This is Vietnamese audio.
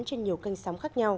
trên nhiều kênh sóng khác nhau